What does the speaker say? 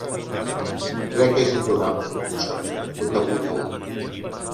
Crec que és intolerable, això que s’ha viscut avui i ahir.